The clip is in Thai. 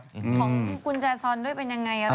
ของพี่มกุญแจทรอนด้วยเป็นยังไง